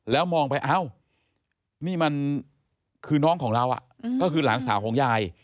แล้วมองไปเอ้านี่มันคือน้องของเราก็คือหลานสาวของยาย